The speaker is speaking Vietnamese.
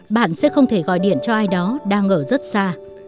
bạn sẽ không thể gọi điện cho ai đó đang ở rất xa